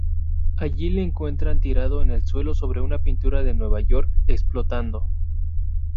Allí le encuentran tirado en el suelo sobre una pintura de Nueva York explotando.